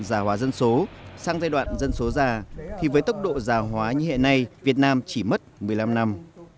già hóa dân số sang giai đoạn dân số già thì với tốc độ già hóa như hệ này việt nam chỉ mất một mươi năm năm